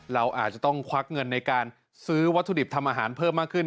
เราอาจจะต้องควักเงินในการซื้อวัตถุดิบทำอาหารเพิ่มมากขึ้น